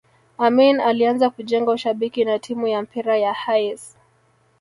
Amin alianza kujenga ushabiki na timu ya mpira ya Hayes